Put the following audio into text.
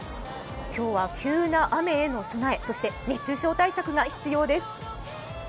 今日は急な雨への備え、そして熱中症対策が必要です。